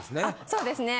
そうですね。